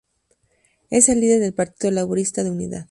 Es el líder del Partido Laborista de Unidad.